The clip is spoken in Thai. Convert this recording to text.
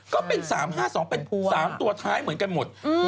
ก็เป็น๓๕๒เป็น๓ตัวท้ายเหมือนกันหมด